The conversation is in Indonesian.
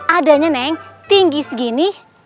adanya neng tinggi segini